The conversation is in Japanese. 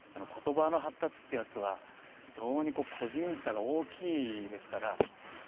ことばの発達ってやつは非常に個人差が大きいですから。